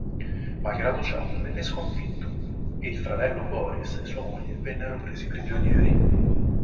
Malgrado ciò venne sconfitto ed il fratello Boris e sua moglie vennero presi prigionieri.